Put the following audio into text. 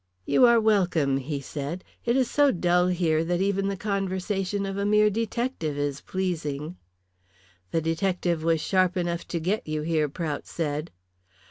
"You are welcome;" he said; "it is so dull here that even the conversation of a mere detective is pleasing." "The detective was sharp enough to get you here," Prout said.